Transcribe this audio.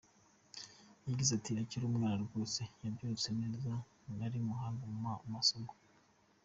Yagize ati” Akiri umwana rwose yabyirutse neza ari umuhanga mu masomo.